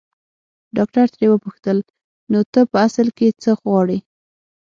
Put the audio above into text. ډاکټر ترې وپوښتل نو ته په اصل کې څه غواړې.